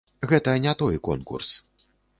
Гэта не той конкурс.